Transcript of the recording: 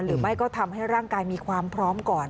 หรือไม่ก็ทำให้ร่างกายมีความพร้อมก่อน